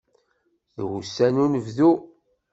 D wussan n unebdu.